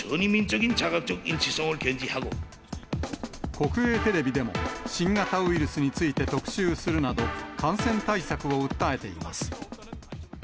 国営テレビでも、新型ウイルスについて特集するなど、感染対策を訴えています。